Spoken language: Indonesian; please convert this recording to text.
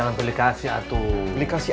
kenapa emakmya di sini itu khawatir